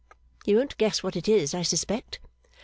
You won't guess what it is, I suspect.